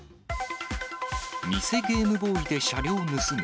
偽ゲームボーイで車両盗む。